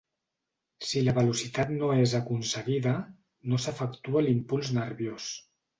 Si la velocitat no és aconseguida, no s'efectua l'impuls nerviós.